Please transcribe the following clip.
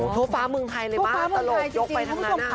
โถฟ้าเมืองไทยเลยบ้าตลกยกไปทางหน้า